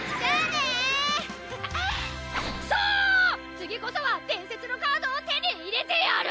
次こそは伝説のカードを手に入れてやる！